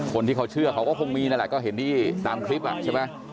คนที่เขาเชื่อเขาก็คงมีนั่นแหละก็เห็นที่ตามคลิปอ่ะใช่ไหม